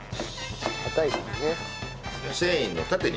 硬いからね。